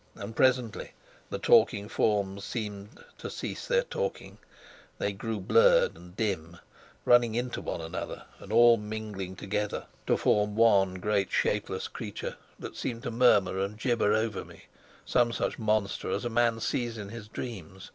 And presently the talking forms seemed to cease their talking; they grew blurred and dim, running into one another, and all mingling together to form one great shapeless creature that seemed to murmur and gibber over me, some such monster as a man sees in his dreams.